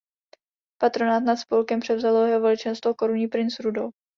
Patronát nad spolkem převzalo Jeho Veličenstvo korunní princ Rudolf.